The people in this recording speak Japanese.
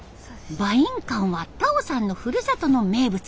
バインカンはタオさんのふるさとの名物。